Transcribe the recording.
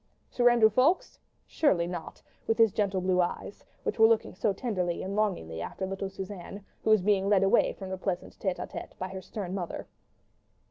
Sir Andrew Ffoulkes? Surely not, with his gentle blue eyes, which were looking so tenderly and longingly after little Suzanne, who was being led away from the pleasant tête à tête by her stern mother.